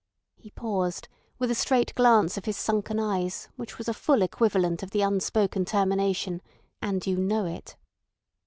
He paused, with a straight glance of his sunken eyes which was a full equivalent of the unspoken termination "and you know it."